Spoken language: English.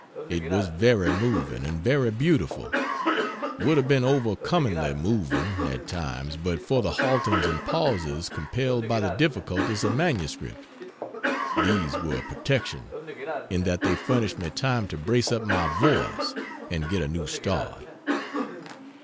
It was very moving and very beautiful would have been over comingly moving, at times, but for the haltings and pauses compelled by the difficulties of MS these were a protection, in that they furnished me time to brace up my voice, and get a new start.